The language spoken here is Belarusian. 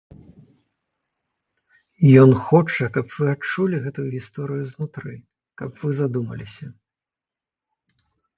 Ён хоча, каб вы адчулі гэтую гісторыю знутры, каб вы задумаліся.